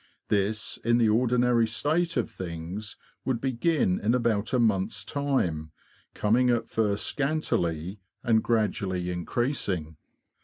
This, in the ordinary state of things, would begin in about a month's time, coming at first scantily, and gradually increasing.